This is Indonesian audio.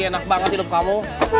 enak banget hidup kamu